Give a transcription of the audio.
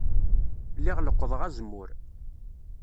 Lliɣ leqqḍeɣ azemmur.